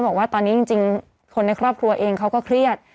บอกว่าตอนนี้จริงคนในครอบครัวเองเขาก็เครียด